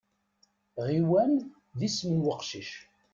Ɣiwan d isem n uqcic.